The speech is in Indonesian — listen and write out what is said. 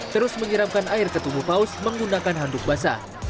terus mengiramkan air ketumbuh paus menggunakan handuk basah